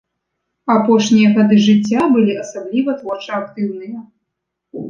Апошнія гады жыцця былі асабліва творча актыўныя.